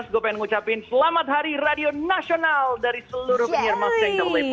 gue pengen ngucapin selamat hari radio nasional dari seluruh penyir mustang